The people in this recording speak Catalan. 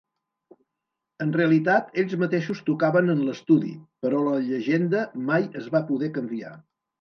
En realitat ells mateixos tocaven en l'estudi, però la llegenda mai es va poder canviar.